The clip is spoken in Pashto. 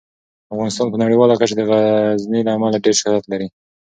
افغانستان په نړیواله کچه د غزني له امله ډیر شهرت لري.